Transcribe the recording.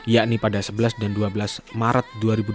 yakni pada sebelas dan dua belas maret dua ribu dua puluh